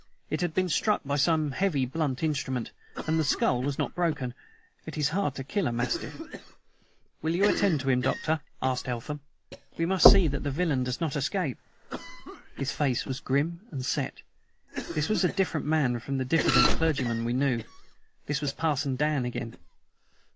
It had been struck by some heavy blunt instrument, but the skull was not broken. It is hard to kill a mastiff. "Will you attend to him, Doctor?" asked Eltham. "We must see that the villain does not escape." His face was grim and set. This was a different man from the diffident clergyman we knew: this was "Parson Dan" again.